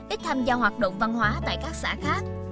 ít tham gia hoạt động văn hóa tại các xã khác